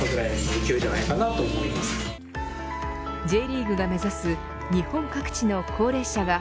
Ｊリーグが目指す日本各地の高齢者が